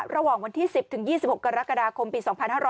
ระหว่างวันที่๑๐ถึง๒๖กรกฎาคมปี๒๕๕๙